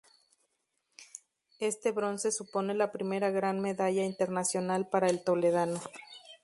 Este bronce supone la primera gran medalla internacional para el toledano.